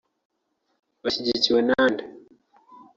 Bashyigikiwe na nde